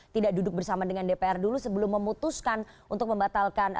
tidak duduk bersama dengan dpr dulu sebelum memutuskan untuk membatalkan